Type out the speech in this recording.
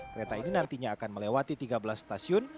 kereta ini nantinya akan melewati tiga belas stasiun